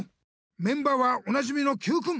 メンバーはおなじみのＱくん。